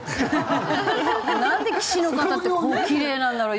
なんで棋士の方ってこうきれいなんだろう？